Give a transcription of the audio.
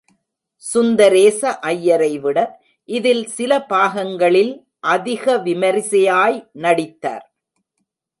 சுந்தரேச ஐயரைவிட, இதில் சில பாகங்களில் அதிக விமரிசையாய் நடித்தார்.